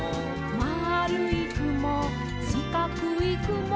「まるいくもしかくいくも」